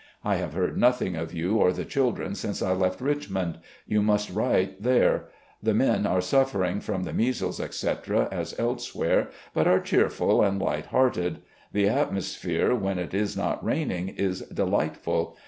I have heard nothing of you or the children since I left Richmond. You must write there. ... The men are suffering from the measles, etc., as elsewhere, but are cheerful and light hearted. The atmosphere, when it is not raining, is delightful.